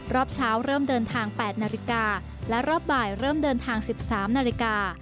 รอบเช้าเริ่มเดินทาง๘นาฬิกาและรอบบ่ายเริ่มเดินทาง๑๓นาฬิกา